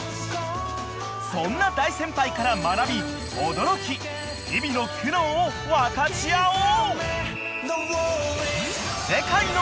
［そんな大先輩から学び驚き日々の苦悩を分かち合おう］